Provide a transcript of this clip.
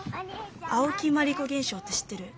青木まりこ現象って知ってる？